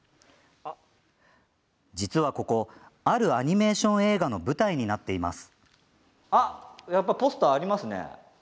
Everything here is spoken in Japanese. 実は、ここあるアニメーション映画の舞台になっています。